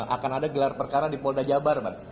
akan ada gelar perkara di polda jabar